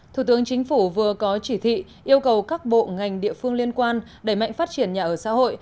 thủ tướng chính phủ vừa có chỉ thị yêu cầu các bộ ngành địa phương liên quan đẩy mạnh phát triển nhà ở xã hội